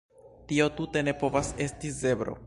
Tio tute ne povas esti zebro